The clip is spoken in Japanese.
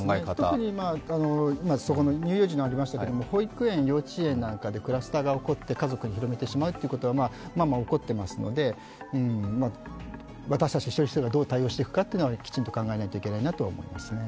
特に今そこの乳幼児のがありましたけれども、保育園・幼稚園なんかでクラスターが起こって家族に広めてしまうということが間々起こっていますので、私たち消費者がどう対応していくのかきちんと考えないといけないなと思いますね。